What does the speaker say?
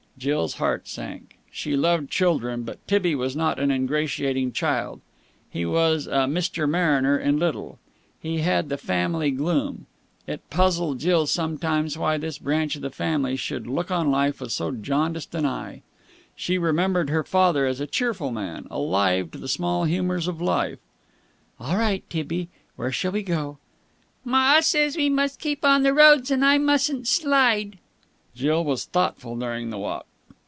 Jill's heart sank. She loved children, but Tibby was not an ingratiating child. He was a Mr. Mariner in little. He had the family gloom. It puzzled Jill sometimes why this branch of the family should look on life with so jaundiced an eye. She remembered her father as a cheerful man, alive to the small humours of life. "All right, Tibby. Where shall we go?" "Ma says we must keep on the roads and I mustn't slide." Jill was thoughtful during the walk.